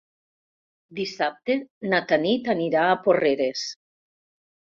Dissabte na Tanit anirà a Porreres.